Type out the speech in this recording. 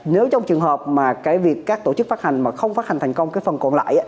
nếu trong trường hợp mà cái việc các tổ chức phát hành mà không phát hành thành công cái phần còn lại